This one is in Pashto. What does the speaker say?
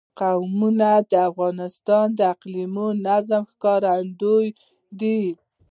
قومونه د افغانستان د اقلیمي نظام ښکارندوی ده.